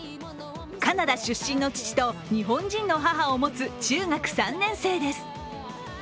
カナダ出身の父と日本人の母を持つ中学３年生です。